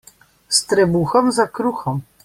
S trebuhom za kruhom.